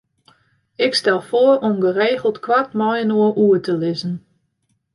Ik stel foar om geregeld koart mei-inoar oer te lizzen.